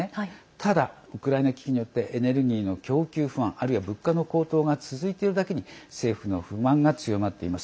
ただ、ウクライナ危機によってエネルギーの供給不安あるいは物価の高騰が続いているだけに政府の不安が強まっています。